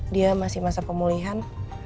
dia masih masa pemulihan